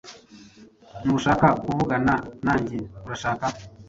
Ntushaka kuvugana nanjye, urashaka?